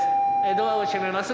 ドアを閉めます。